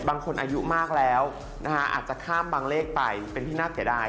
บางคนอายุมากแล้วอาจจะข้ามบางเลขไปเป็นที่น่าเสียดาย